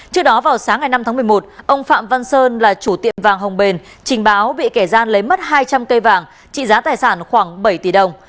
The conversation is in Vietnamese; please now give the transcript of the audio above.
trước đó vào sáng ngày năm tháng một mươi một ông phạm văn sơn là chủ tiệm vàng hồng bền trình báo bị kẻ gian lấy mất hai trăm linh cây vàng trị giá tài sản khoảng bảy tỷ đồng